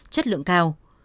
chất lượng cao